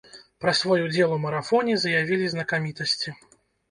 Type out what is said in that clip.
Пра свой удзел у марафоне заявілі знакамітасці.